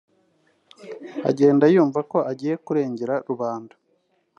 agenda yumva ko agiye kurengera rubanda